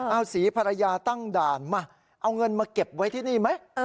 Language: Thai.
เอาสีภรรยาตั้งด่านมาเอาเงินมาเก็บไว้ที่นี่ไหม